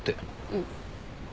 うん。